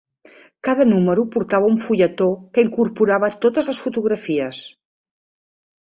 Cada número portava un fulletó que incorporava totes les fotografies.